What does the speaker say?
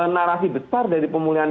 narasi besar dari pemulihan